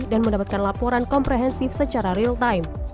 dan mendapatkan laporan komprehensif secara real time